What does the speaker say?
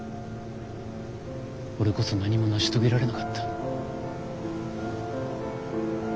俺こそ何も成し遂げられなかった。